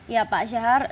ya pak syahar